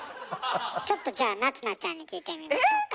ちょっとじゃあ夏菜ちゃんに聞いてみましょうか？